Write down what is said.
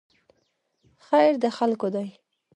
خیر د خلکو دی